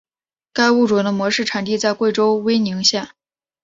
该物种的模式产地在贵州威宁县。